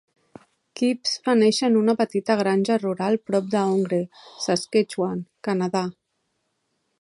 Kives va néixer en una petita granja rural prop de Oungre, Saskatchewan, Canadà.